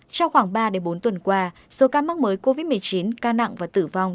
trong khoảng ba bốn tuần qua số ca mắc mới covid một mươi chín ca nặng và tử vong